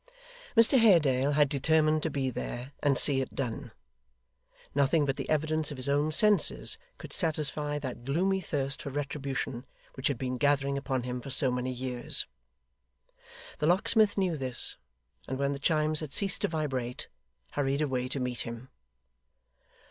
Mr Haredale had determined to be there, and see it done. Nothing but the evidence of his own senses could satisfy that gloomy thirst for retribution which had been gathering upon him for so many years. The locksmith knew this, and when the chimes had ceased to vibrate, hurried away to meet him.